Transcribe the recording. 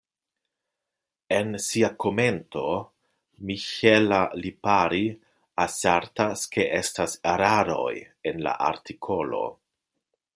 En sia komento Michela Lipari asertas, ke estas eraroj en la artikolo.